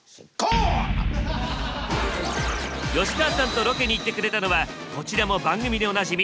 吉川さんとロケに行ってくれたのはこちらも番組でおなじみ